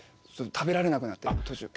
食べられなくなって途中。